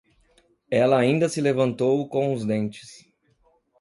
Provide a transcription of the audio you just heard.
Ela ainda se levantou com os dentes